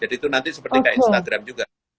jadi itu nanti seperti kayak instagram juga